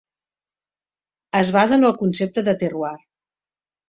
Es basa en el concepte de "terroir".